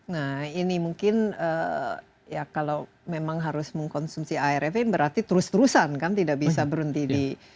nah ini mungkin ya kalau memang harus mengkonsumsi air fm berarti terus terusan kan tidak bisa berhenti di